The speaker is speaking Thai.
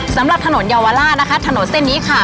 สำหรับถนนเยาวล่านะคะถนนเส้นนี้ค่ะ